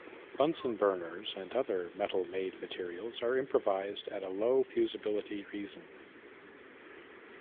Bunsen burners and other metal-made materials are improvised at a low-fusibility reason.